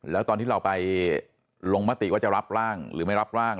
แล้วตอนที่เราไปลงมติว่าจะรับร่างหรือไม่รับร่าง